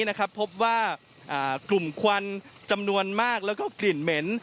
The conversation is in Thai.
พบว่ากลุ่มควันจำนวนมากแล้วก็กลิ่นเหม็น